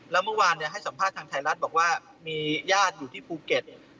แล้วเมื่อวานให้สัมภาษณ์ทางไทยรัฐบอกว่ามีญาติอยู่ที่ภูเก็ต